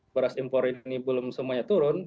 beras impor ini belum semuanya turun